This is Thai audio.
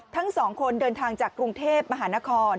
ทั้งสองคนเดินทางจากกรุงเทพมหานคร